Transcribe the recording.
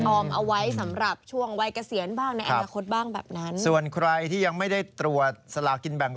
อมเอาไว้สำหรับช่วงวัยเกษียณบ้างในอนาคตบ้างแบบนั้นส่วนใครที่ยังไม่ได้ตรวจสลากินแบ่ง